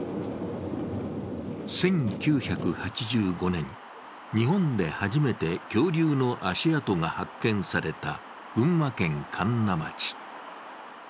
１９８５年、日本で初めて恐竜の足跡が発見された群馬県神流町。